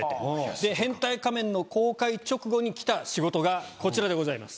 『変態仮面』の公開直後にきた仕事がこちらでございます